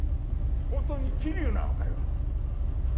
本当に霧生なのかよ？